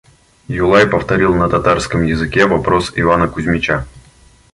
Юлай повторил на татарском языке вопрос Ивана Кузмича.